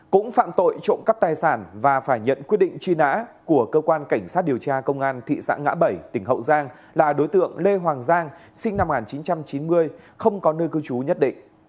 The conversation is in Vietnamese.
cũng phạm tội trộm cắp tài sản và phải nhận quyết định truy nã của cơ quan cảnh sát điều tra công an thị xã ngã bảy tỉnh hậu giang là đối tượng lê hoàng giang sinh năm một nghìn chín trăm chín mươi không có nơi cư trú nhất định